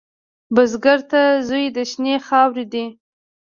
بزګر ته زوی د شنې خاورې دی